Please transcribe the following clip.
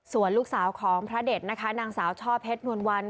ส่วนลูกสาวของพระเด็จนางสาวช่อเพชรนวรวร